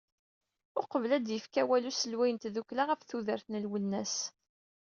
Uqbel ad d-yefk awal uselway n tdukkla ɣef tudert n Lwennas.